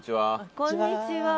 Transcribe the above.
こんにちは。